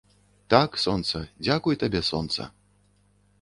Так, сонца, дзякуй табе, сонца!